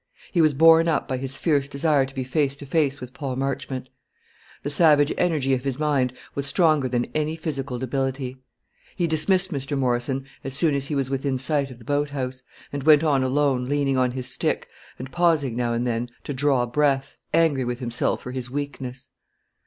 He was borne up by his fierce desire to be face to face with Paul Marchmont. The savage energy of his mind was stronger than any physical debility. He dismissed Mr. Morrison as soon as he was within sight of the boat house, and went on alone, leaning on his stick, and pausing now and then to draw breath, angry with himself for his weakness.